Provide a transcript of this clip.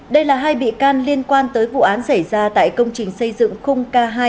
đây là hai bị can liên quan tới vụ án xảy ra tại công trình xây dựng khung k hai